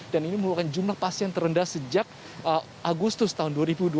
dan ini mengeluarkan jumlah pasien terendah sejak agustus tahun dua ribu dua puluh